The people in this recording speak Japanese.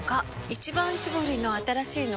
「一番搾り」の新しいの？